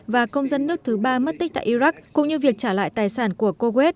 và công dân nước thứ ba mất tích tại iraq cũng như việc trả lại tài sản của kuwait